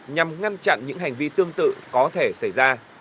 nhằm ngăn chặn những hành vi tương tự có thể xảy ra